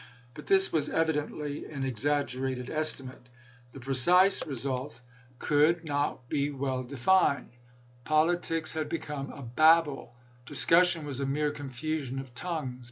But this was evidently an exaggerated estimate. The precise result could 422 ABRAHAM LINCOLN cn. xxv. not be well defined. Politics had become a Babel. Discussion was a mere confusion of tongues.